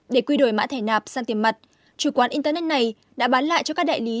để quy đổi mã thẻ nạp sang tiền mặt chủ quán internet này đã bán lại cho các đại lý